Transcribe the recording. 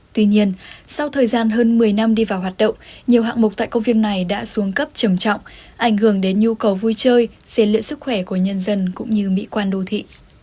tuy nhiên sau thời gian hơn một mươi năm đi vào hoạt động nhiều hạng mục tại công viên này đã xuống cấp trầm trọng ảnh hưởng đến nhu cầu vui chơi xe luyện sức khỏe của nhân dân cũng như mỹ quan đô thị